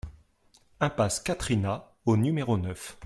Impasse Quatrina au numéro neuf